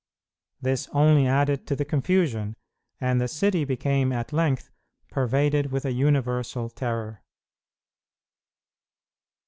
This only added to the confusion, and the city became at length pervaded with a universal terror.